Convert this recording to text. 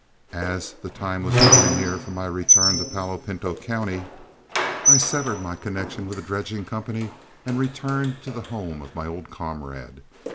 As the time was drawing near for my return to Palo Pinto County, I severed my connection with the dredging company and returned to the home of my old comrade.